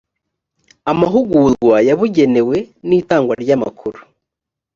amahugurwa yabugenewe n itangwa ry amakuru